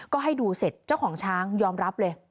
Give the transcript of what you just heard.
ก็ให้ดูเสร็จเจ้าของช้างยอมรับเลย